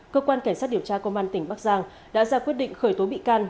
cơ quan cảnh sát điều tra công an tp hcm đã ra quyết định khởi tố bị can